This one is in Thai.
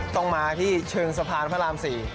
ต้องมาที่เชิงสะพานพระราม๔